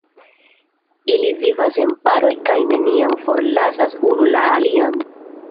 Ili vivas en paroj kaj neniam forlasas unu la alian.